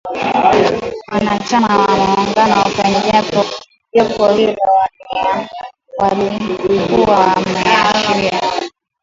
Wanachama wa muungano kwenye jopo hilo walikuwa wameashiria